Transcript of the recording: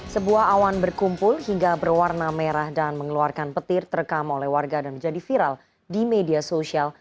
sebuah awan berkumpul hingga berwarna merah dan mengeluarkan petir terekam oleh warga dan menjadi viral di media sosial